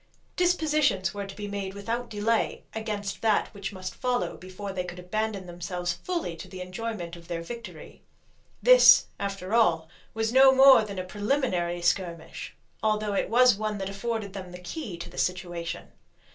Dispositions were to be made without delay against that which must follow before they could abandon themselves fully to the enjoyment of their victory. This, after all, was no more than a preliminary skirmish, although it was one that afforded them the key to the situation.